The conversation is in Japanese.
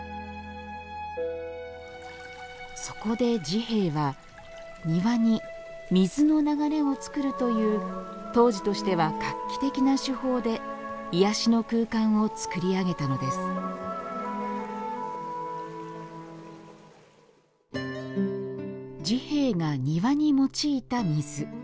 そこで治兵衛は庭に水の流れをつくるという当時としては画期的な手法で癒やしの空間をつくり上げたのです治兵衛が庭に用いた水。